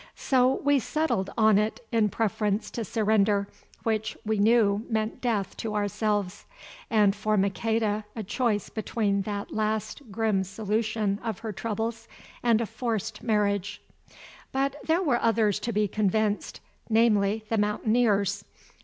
So we settled on it in preference to surrender, which we knew meant death to ourselves, and for Maqueda a choice between that last grim solution of her troubles and a forced marriage. But there were others to be convinced, namely, the Mountaineers.